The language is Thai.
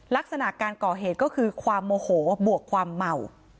ลักษณะการก่อเหตุก็คือความโมโหบวกความเมา